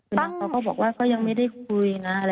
คือน้องเขาก็บอกว่าก็ยังไม่ได้คุยนะ